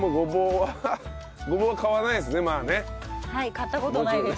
はい買った事ないです。